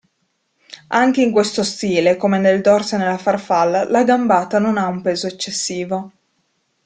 Anche in questo stile, come nel dorso e nella farfalla, la gambata non ha un peso eccessivo.